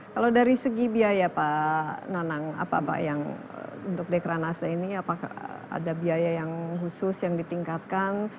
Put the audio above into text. kalau dari segi biaya pak nanang apa pak yang untuk dekranasda ini apakah ada biaya yang khusus yang ditingkatkan